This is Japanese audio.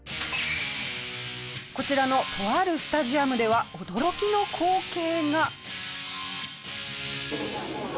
こちらのとあるスタジアムでは驚きの光景が。